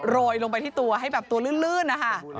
โรยลงไปที่ตัวให้แบบตัวลื่นนะคะ